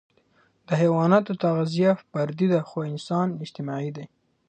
د حيواناتو تغذیه فردي ده، خو انسان اجتماعي دی.